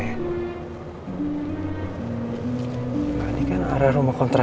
sampai jumpa di video selanjutnya